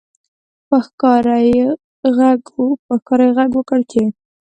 په ښکاره یې غږ وکړ چې